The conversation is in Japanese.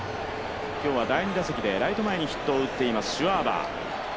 今日は第２打席にライト前にヒットを打っていますシュワーバー。